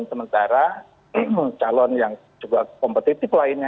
sementara calon yang juga kompetitif lainnya